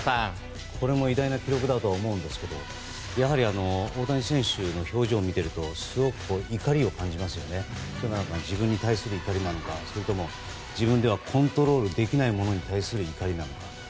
これも偉大な記録だと思うんですけど、やはり大谷選手の表情を見ているとすごく怒りを感じますよね。というのも自分に対する怒りなのかそれとも、自分ではコントロールできないものに対する怒りか。